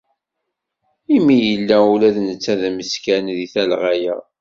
Imi yella ula d netta d ameskan deg talɣa-a.